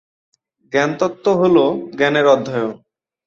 জ্ঞানতত্ত্ব হল জ্ঞানের অধ্যয়ন।